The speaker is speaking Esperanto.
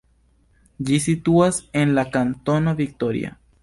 Ĝi situas en la kantono Victoria.